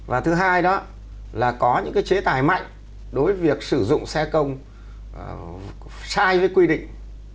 và thứ hai đó là có những cái chế tài mạnh đối với việc sử dụng xe công sai với quy định